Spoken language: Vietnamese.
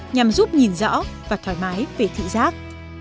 nhằm giúp nhìn rõ và thoải mái về thị giác